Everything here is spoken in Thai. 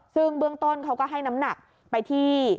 ซึ่งเบื้องต้นเขาก็ให้น้ำหนักไปที่